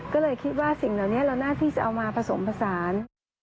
ก็เลยคิดว่าสิ่งเหล่านี้เราน่าที่จะเอามาผสมผสาน